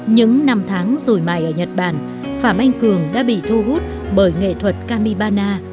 những năm tháng rủi mài ở nhật bản phạm anh cường đã bị thu hút bởi nghệ thuật kamibana